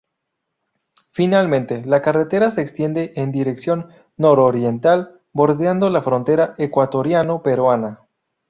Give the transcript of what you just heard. Finalmente, la carretera se extiende en dirección nororiental bordeando la frontera ecuatoriano-peruana.